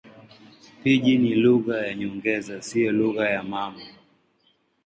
Pijini ni lugha za nyongeza, si lugha mama.